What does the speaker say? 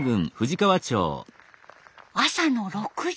朝の６時。